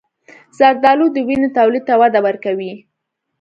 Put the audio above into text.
زردآلو د وینې تولید ته وده ورکوي.